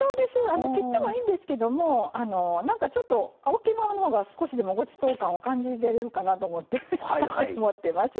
切ってもいいんですけどもちょっと大きいままのほうが少しでもごちそう感を感じられるかなと思ってます。